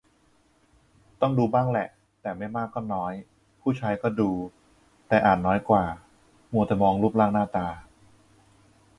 ต้องดูบ้างแหละ แต่ไม่มากก็น้อย ผู้ชายก็ดู แต่อาจน้อยกว่า มัวแต่มองรูปร่างหน้าตา